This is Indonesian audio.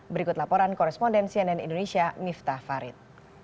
berikut laporan korespondensi nn indonesia miftah farid